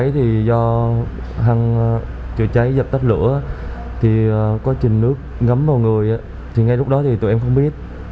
thì ngay lúc đó thì tụi em không biết